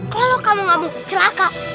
kalau kamu gak mau celaka